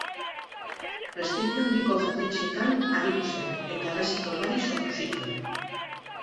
Prestigio handiko jatetxeetan aritu zen eta errezeta ugari sortu zituen.